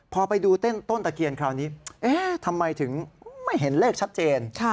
พอไปดูต้นตะเคียนคราวนี้เอ๊ะทำไมถึงไม่เห็นเลขชัดเจน